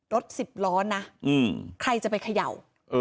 รถสิบล้อนะใครจะไปเขย่า